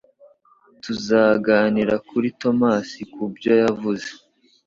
Tuzaganira kuri Tomasi kubyo yavuze